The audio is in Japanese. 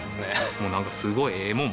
もうなんかすごいええもん